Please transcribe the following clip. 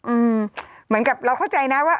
เหมือนกับเราเข้าใจนะว่า